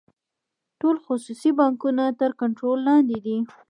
ټول خصوصي بانکونه تر کنټرول لاندې دي.